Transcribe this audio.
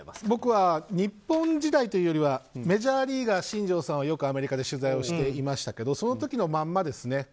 僕は日本時代というよりはメジャーリーガーの新庄さんをよくアメリカで取材していましたがその時のままですね。